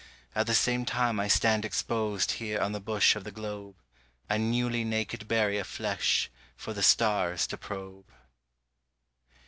At the same time I stand exposed Here on the bush of the globe, A newly naked berry of flesh For the stars to probe.